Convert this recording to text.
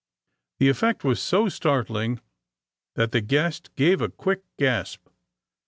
The effect was so startling that the guest gave a quick gasp.